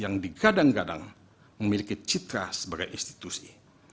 yang digadang gadang memiliki citra sebagai institusi